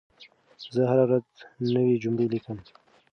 زه هره ورځ نوي جملې لیکم.